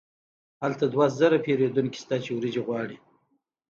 هلته دوه زره پیرودونکي شته چې وریجې غواړي.